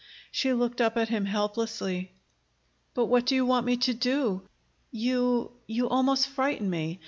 She looked up at him helplessly. "But what do you want me to do? You you almost frighten me.